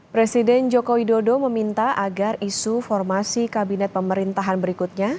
presiden joko widodo meminta agar isu formasi kabinet pemerintahan berikutnya